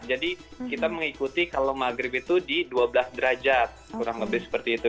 jadi kita mengikuti kalau maghrib itu di dua belas derajat kurang lebih seperti itu